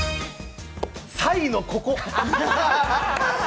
「サイのここ」